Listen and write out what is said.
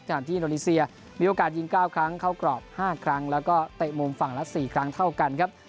ที่อินโดนีเซียมีโอกาสยิง๙ครั้งเข้ากรอบ๕ครั้งแล้วก็เตะมุมฝั่งละ๔ครั้งเท่ากันครับ